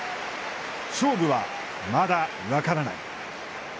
勝負は、まだ、分からない。